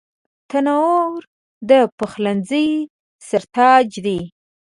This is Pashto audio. تنور د پخلنځي سر تاج دی